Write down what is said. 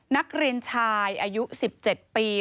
นักเรียนชายอายุ๑๗ปี